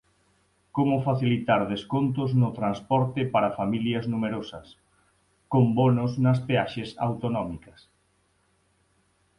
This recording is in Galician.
Como facilitar descontos no transporte para familias numerosas, con bonos nas peaxes autonómicas.